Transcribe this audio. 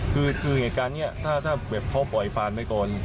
คือเหตุการณ์นี้ถ้าแบบเขาปล่อยผ่านไปก่อน